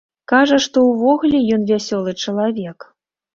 Кажа, што ўвогуле ён вясёлы чалавек.